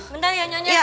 bentar ya nyonya